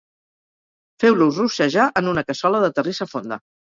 feu-los rossejar en una cassola de terrissa fonda